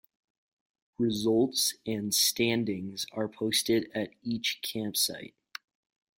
Results and standings are posted at each campsite.